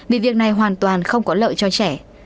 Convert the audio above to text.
vì việc này hoàn toàn không có lợi cho trẻ